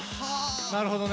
なるほどね。